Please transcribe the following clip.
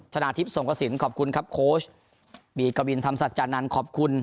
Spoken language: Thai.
ชนะทิพย์สงกระสินขอบคุณครับโค้ชบีกวินธรรมสัจจานันทร์ขอบคุณ